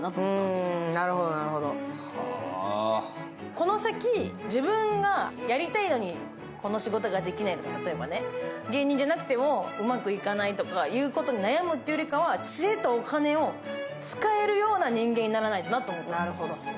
この先、自分がやりたいのにこの仕事ができないとか、例えばね芸人じゃなくてもうまくいかないということに悩むよりは知恵とお金を使えるような人間にならないとなと想ったわけ。